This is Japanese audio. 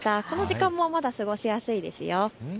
この時間もまだ過ごしやすいんですよ。